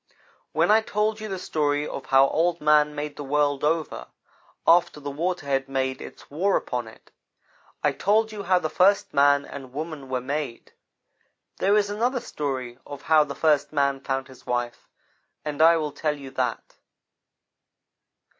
"When I told you the story of how Old man made the world over, after the water had made its war upon it, I told you how the first man and woman were made. There is another story of how the first man found his wife, and I will tell you that.